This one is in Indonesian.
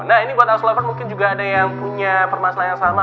nah ini buat aus lover mungkin juga ada yang punya permasalahan yang sama